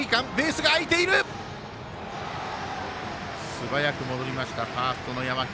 素早く戻りましたファーストの山平。